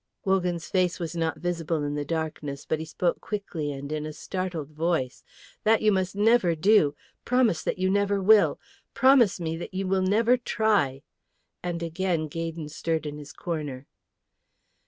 Wogan's face was not visible in the darkness; but he spoke quickly and in a startled voice, "That you must never do. Promise that you never will! Promise me that you will never try;" and again Gaydon stirred in his corner.